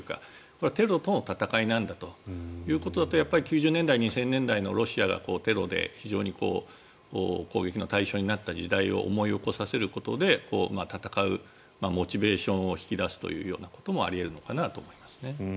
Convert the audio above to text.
これはテロとの戦いなんだということだと９０年代、２０００年代のロシアがテロで攻撃の対象になった時代を思い起こさせることで戦うモチベーションを引き出すというようなこともあり得るのかなと思いますね。